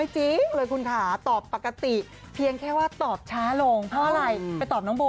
สู้ตัวบอกว่า